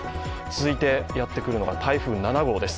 続いてやってくるのが台風７号です。